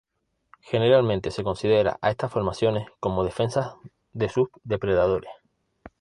Generalmente se considera a estas formaciones como defensas de sus depredadores.